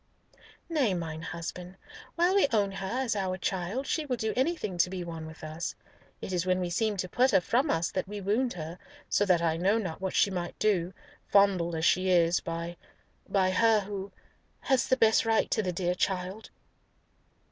"Nay, mine husband. While we own her as our child, she will do anything to be one with us. It is when we seem to put her from us that we wound her so that I know not what she might do, fondled as she is—by—by her who—has the best right to the dear child."